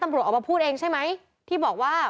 ตำรวจออกมาพูดเองใช่ไหมที่บอกว่า